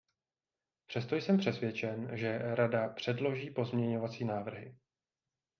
Přesto jsem přesvědčen, že Rada předloží pozměňovací návrhy.